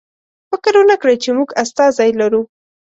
فکر ونکړئ چې موږ استازی لرو.